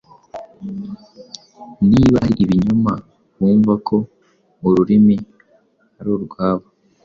niba ari ibinyoma, bumva ko ururimi ari 'urwabo.'